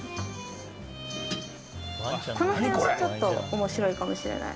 この辺はちょっと面白いかもしれない。